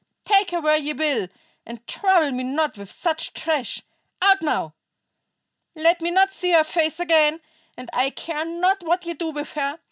Take her where ye will, and trouble me not with such trash. Out, now! Let me not see her face again, and I care not what ye do with her.